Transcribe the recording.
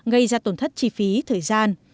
gây ra tổn thất chi phí thời gian